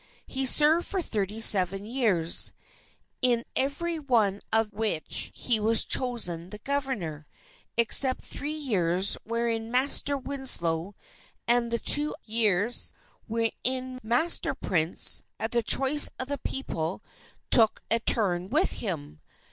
He served for thirty seven years, "in every one of which he was chosen their Governor, except the three years wherein Master Winslow and the two years wherein Master Prince, at the choice of the people, took a turn with him....